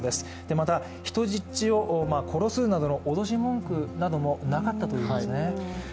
また人質を殺すなどの脅し文句などもなかったということですね。